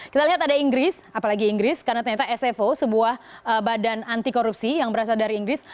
kita lihat ada inggris apalagi inggris karena ternyata sfo sebuah badan anti korupsi yang berasal dari inggris